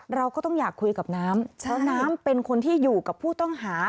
เราก็ต้องอยากคุยกับน้ำเพราะน้ำเป็นคนที่อยู่กับผู้ต้องหา